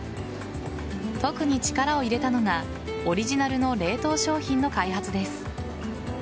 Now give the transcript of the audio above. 特に力を入れたのがオリジナルの冷凍商品の開発です。